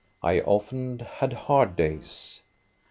I often had hard days.